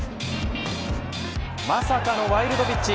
まさかのワイルドピッチ。